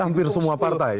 hampir semua partai